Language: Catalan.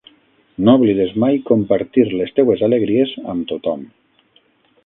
No oblides mai compartir les teues alegries amb tothom.